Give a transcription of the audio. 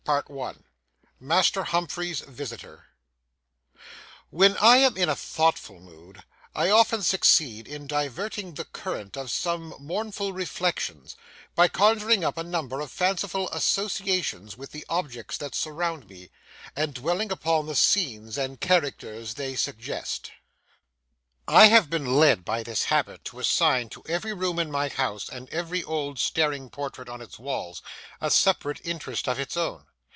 III MASTER HUMPHREY'S VISITOR WHEN I am in a thoughtful mood, I often succeed in diverting the current of some mournful reflections, by conjuring up a number of fanciful associations with the objects that surround me, and dwelling upon the scenes and characters they suggest. I have been led by this habit to assign to every room in my house and every old staring portrait on its walls a separate interest of its own.